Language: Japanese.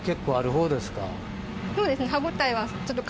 そうですね歯応えはちょっと。